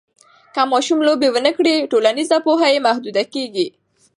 که ماشوم لوبې ونه کړي، ټولنیزه پوهه یې محدوده کېږي.